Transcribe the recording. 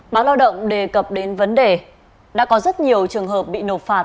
báo lao động đề cập đến vấn đề đã có rất nhiều trường hợp bị nộp phạt